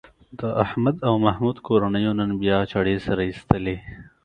د احمد او محمود کورنیو نن بیا چاړې سره ایستلې.